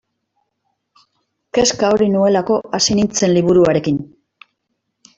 Kezka hori nuelako hasi nintzen liburuarekin.